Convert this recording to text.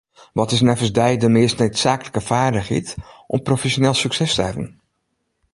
Wat is neffens dy de meast needsaaklike feardichheid om profesjoneel sukses te hawwen?